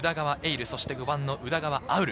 琉、そして５番の宇田川侑潤。